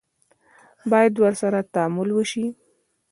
باید ورسره تعامل وشي.